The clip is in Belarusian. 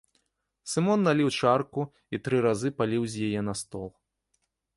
Сымон наліў чарку і тры разы паліў з яе на стол.